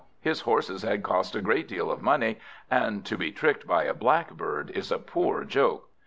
His horses had cost a great deal of money; and to be tricked by a Blackbird is a poor joke.